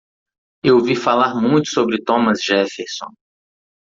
Eu ouvir falar muito sobre Thomas Jefferson.